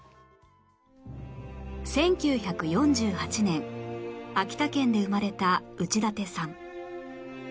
１９４８年秋田県で生まれた内館さん